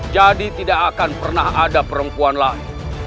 jadi tidak akan pernah ada perempuan lain